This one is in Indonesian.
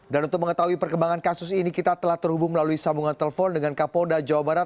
dan untuk mengetahui perkembangan kasus ini kita telah terhubung melalui sambungan telepon dengan kapolda jawa barat